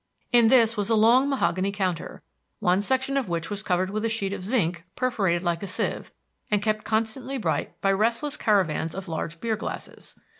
In this was a long mahogany counter, one section of which was covered with a sheet of zinc perforated like a sieve, and kept constantly bright by restless caravans of lager beer glasses.